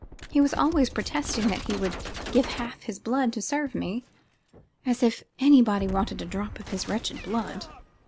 He was always protesting that he would give half his blood to serve me. As if anybody wanted a drop of his wretched blood.